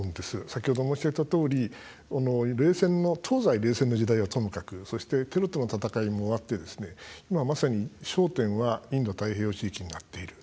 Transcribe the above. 先ほど申し上げたとおり東西冷戦の時代はともかくそして、テロとの戦いも終わって今、まさに焦点はインド太平洋地域になっている。